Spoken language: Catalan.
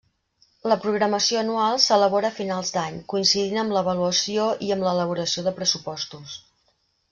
La programació anual s’elabora a finals d’any, coincidint amb l’avaluació i amb l’elaboració de pressupostos.